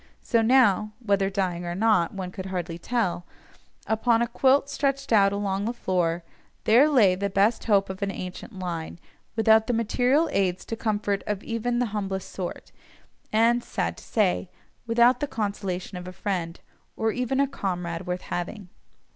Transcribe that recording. So now (whether dying or not, one could hardly tell), upon a quilt stretched out along the floor, there lay the best hope of an ancient line, without the material aids to comfort of even the humblest sort, and (sad to say) without the consolation of a friend, or even a comrade worth having.